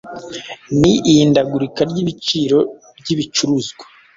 ni ihindagurika ry’ibiciro by’ibicuruzwa